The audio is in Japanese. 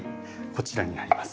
こちらになります。